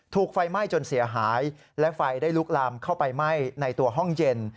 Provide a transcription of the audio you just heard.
ถูกไฟไหม้จนเสียหายและไฟได้ลุกลามเข้าไปไหม้ในตัวห้องเย็น